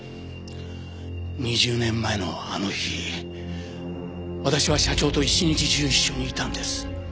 ２０年前のあの日私は社長と一日中一緒にいたんです